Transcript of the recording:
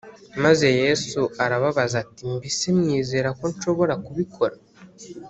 maze Yesu arababaza ati mbese mwizera ko nshobora kubikora